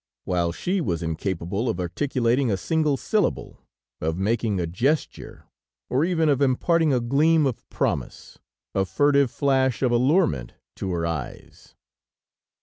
While she was incapable of articulating a single syllable, of making a gesture, or even of imparting a gleam of promise, a furtive flash of allurement to her eyes.